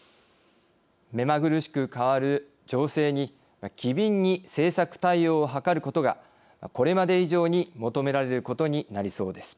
目まぐるしく変わる情勢に機敏に政策対応を計ることがこれまで以上に求められることになりそうです。